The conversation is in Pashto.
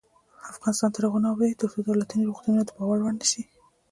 افغانستان تر هغو نه ابادیږي، ترڅو دولتي روغتونونه د باور وړ نشي.